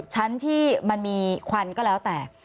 ชั้นที่มันมีควันก็แล้วแต่